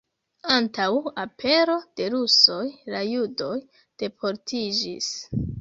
Antaŭ apero de rusoj la judoj deportiĝis.